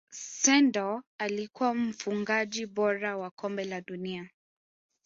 sendor alikuwa mfungaji bora wa kombe la dunia